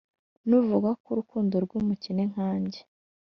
numvaga ko urukundo rw’umukene nkange